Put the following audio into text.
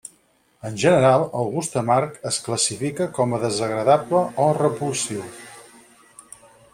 En general, el gust amarg es classifica com a desagradable o repulsiu.